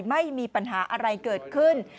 ไม่มีปัญหาอะไรเกิดขึ้น